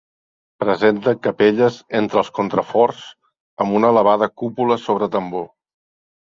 Presenta capelles entre els contraforts, amb una elevada cúpula sobre tambor.